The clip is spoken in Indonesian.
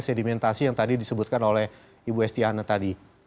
sedimentasi yang tadi disebutkan oleh ibu estiana tadi